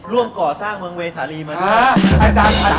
ร่วมก่อสร้างเมืองเวสาลีมาด้วย